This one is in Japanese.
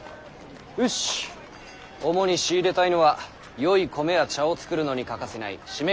よし主に仕入れたいのはよい米や茶を作るのに欠かせない〆